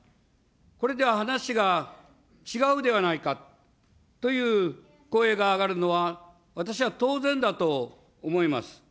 これでは話が違うではないかという声が上がるのは、私は当然だと思います。